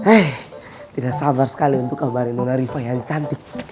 eh tidak sabar sekali untuk kabarin mona riva yang cantik